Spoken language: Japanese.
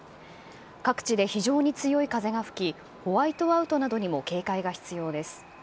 各地で非常に強い風が吹きホワイトアウトなどにも警戒が必要です。